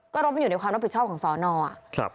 ก็รถมันอยู่ในความรับผิดชอบของสอนอ